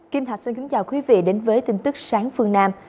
kim thạch xin kính chào quý vị đến với tin tức sáng phương nam